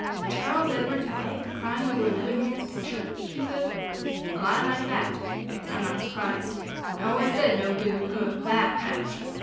"Charles Edward's wife crying over another man's picture!" she said. "Well, I like that! But I'm not surprised. I always said no good would come of THAT match!"